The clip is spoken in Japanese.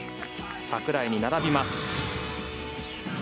櫻井に並びます。